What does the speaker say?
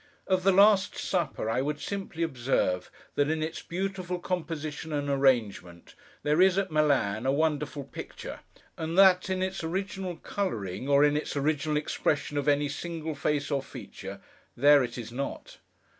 Of the Last Supper, I would simply observe, that in its beautiful composition and arrangement, there it is, at Milan, a wonderful picture; and that, in its original colouring, or in its original expression of any single face or feature, there it is not.